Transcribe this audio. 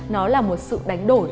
nó là một sự đánh đổi